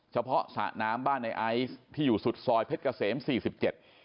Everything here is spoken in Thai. สระน้ำบ้านในไอซ์ที่อยู่สุดซอยเพชรเกษมสี่สิบเจ็ด